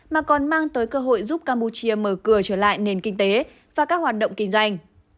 mà còn mang tới cơ hội giúp campuchia mở cửa trở lại nền kinh tế và các hoạt động kinh doanh